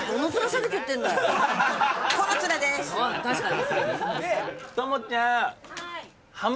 確かに。